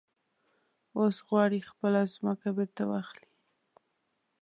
اوس غواړي خپله ځمکه بېرته واخلي.